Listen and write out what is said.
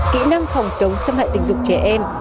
kỹ năng phòng chống xâm hại tình dục trẻ em